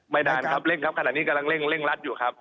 ไม่ได้ครับเร่งครับขณะนี้กำลังเร่งรัดอยู่ครับ